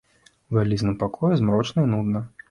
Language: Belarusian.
У вялізным пакоі змрочна і нудна.